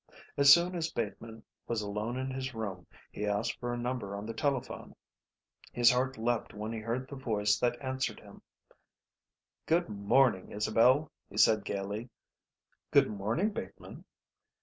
As soon as Bateman was alone in his room he asked for a number on the telephone. His heart leaped when he heard the voice that answered him. "Good morning, Isabel," he said gaily. "Good morning, Bateman."